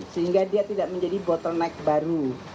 sehingga dia tidak menjadi bottleneck baru